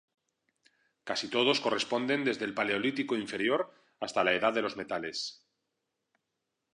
Casi todos corresponden desde el Paleolítico inferior hasta la edad de los metales.